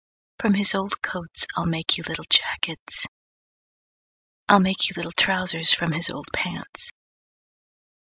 From his old coats I'll make you little jackets; I'll make you little trousers From his old pants.